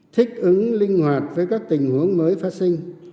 thích ứng linh hoạt với các tình huống mới phát sinh